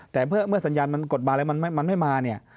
แต่เมื่อสัญญาณมันกดมาแล้วมันไม่มาเนี่ย